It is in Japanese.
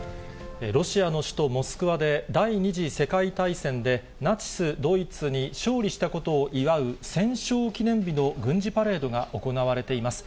ロシアの首都モスクワで、第２次世界大戦でナチス・ドイツに勝利したことを祝う、戦勝記念日の軍事パレードが行われています。